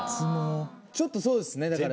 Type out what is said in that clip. ちょっとそうですねだから。